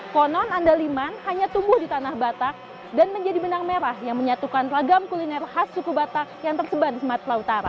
konon andaliman hanya tumbuh di tanah batak dan menjadi benang merah yang menyatukan ragam kuliner khas suku batak yang tersebar di sumatera utara